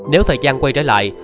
nếu thời gian quay trở lại